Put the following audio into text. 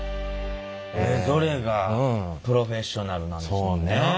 それぞれがプロフェッショナルなんですもんね。